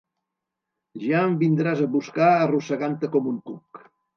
Ja em vindràs a buscar arrossegant-te com un cuc.